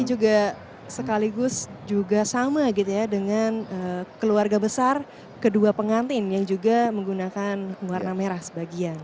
ini juga sekaligus juga sama gitu ya dengan keluarga besar kedua pengantin yang juga menggunakan warna merah sebagian